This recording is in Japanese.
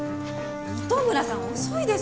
糸村さん遅いですよ！